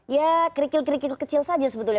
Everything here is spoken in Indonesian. ya kerikil kerikil kecil saja sebetulnya